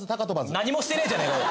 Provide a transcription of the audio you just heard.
何もしてねえじゃねえか。